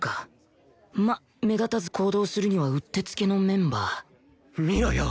まあ目立たず行動するにはうってつけのメンバー見ろよ！